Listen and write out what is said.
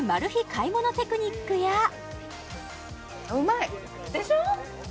買い物テクニックやでしょ？